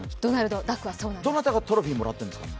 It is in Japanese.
どなたがトロフィーもらったんですか？